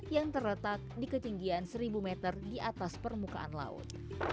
yang terletak di ketinggian seribu meter di atas permukaan laut